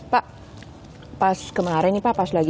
pada kemaren mungkin di dalamnya tuh ada pas kaulah